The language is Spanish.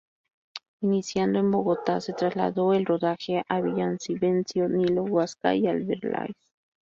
Iniciando en Bogotá se trasladó el rodaje a Villavicencio, Nilo, Guasca y Arbeláez.